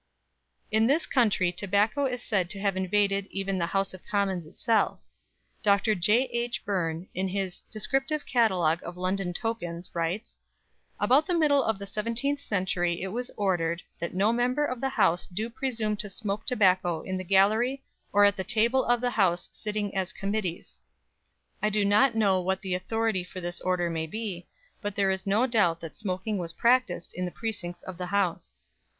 In this country tobacco is said to have invaded even the House of Commons itself. Mr. J.H. Burn, in his "Descriptive Catalogue of London Tokens," writes: "About the middle of the seventeenth century it was ordered: That no member of the House do presume to smoke tobacco in the gallery or at the table of the House sitting as Committees." I do not know what the authority for this order may be, but there is no doubt that smoking was practised in the precincts of the House.